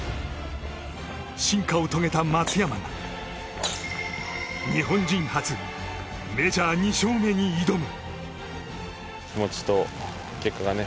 進化を遂げた松山が日本人初メジャー２勝目に挑む。